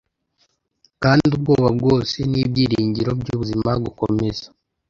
Kandi ubwoba bwose n'ibyiringiro byubuzima gukomeza,